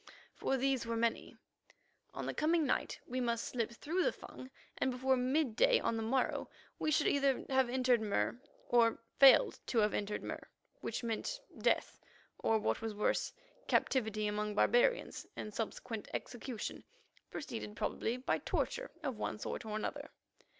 For these were many. On the coming night we must slip through the Fung, and before midday on the morrow we should either have entered Mur, or failed to have entered Mur, which meant—death, or, what was worse, captivity among barbarians, and subsequent execution, preceded probably by torture of one sort or another.